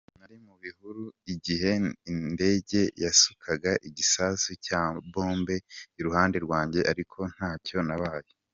"Nari mu bihuru igihe indege yasukaga igisasu cya bombe iruhande rwanjye ariko ntacyo nabaye.